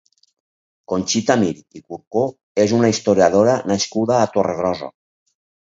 Conxita Mir i Curcó és una historiadora nascuda a Torregrossa.